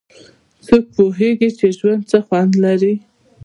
څوک پوهیږي چې ژوند څه خوند لري